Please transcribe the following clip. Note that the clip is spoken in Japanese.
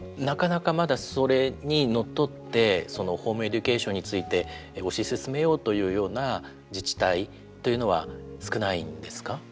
なかなかまだそれにのっとってホームエデュケーションについて推し進めようというような自治体というのは少ないんですか？